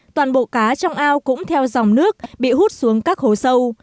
toàn bộ cá trong ao cũng theo dòng nước bị hút xuống các hố sâu